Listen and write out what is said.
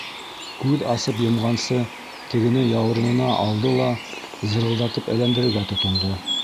Күҙ асып йомғансы, тегене яурынына алды ла зырылдатып өйләндерергә тотондо.